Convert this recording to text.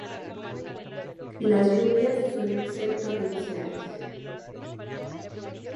Las lluvias suelen ser torrenciales.